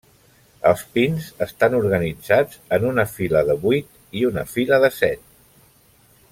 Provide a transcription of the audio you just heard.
Els pins estan organitzats en una fila de vuit i una fila de set.